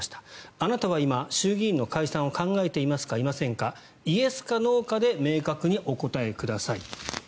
あなたは今、衆議院の解散を考えてますか、考えていませんかイエスかノーかで明確にお答えください。